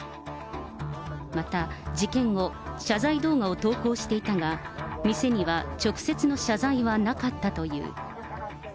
また、事件後、謝罪動画を投稿していたが、店には直接の謝罪はなかったという。